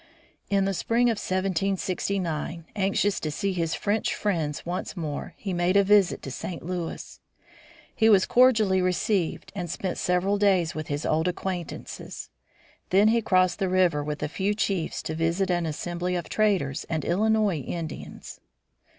In the spring of 1769, anxious to see his French friends once more, he made a visit to St. Louis. He was cordially received and spent several days with his old acquaintances. Then he crossed the river with a few chiefs to visit an assembly of traders and Illinois Indians.